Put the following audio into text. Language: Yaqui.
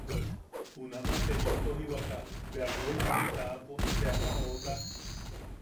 Junaman te yeu tojiwaka bea woi baji taʼapo te ama joka.